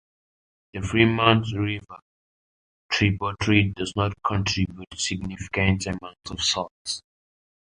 The Fremont River tributary does not contribute significant amounts of salt.